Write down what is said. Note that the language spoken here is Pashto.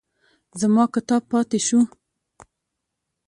زما کتاب پاتې شو.